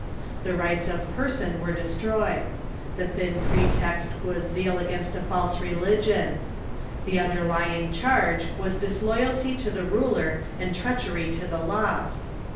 The rights of person Avere destroyed. The thin ])retext was zeal against a false religion. The underlying charge was disloyalty to the ruler and treachery to the laws.